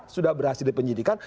sudah berhasil di penyidikan